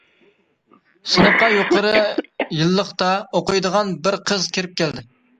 سىنىپقا يۇقىرى يىللىقتا ئوقۇيدىغان بىر قىز كىرىپ كەلدى.